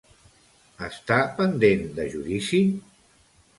Està pendent de judici?